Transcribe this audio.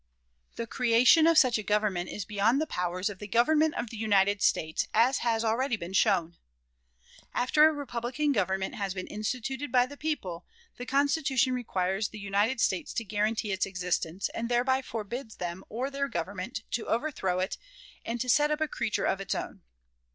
The creation of such a government is beyond the powers of the Government of the United States, as has already been shown. After a republican government has been instituted by the people, the Constitution requires the United States to guarantee its existence, and thereby forbids them or their Government to overthrow it and set up a creature of its own.